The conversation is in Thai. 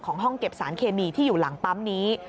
ห้องเก็บสารเคมีที่อยู่หลังปั๊มนี้